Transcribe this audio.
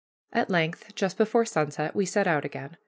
At length, just before sunset, we set out again.